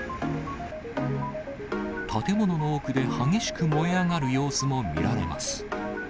建物の奥で激しく燃え上がる様子も見られます。